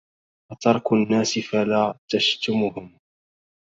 أترك الناس فلا تشتمهم